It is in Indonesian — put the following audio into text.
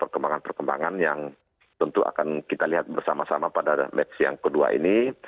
tentu akan kita lihat bersama sama pada match yang kedua ini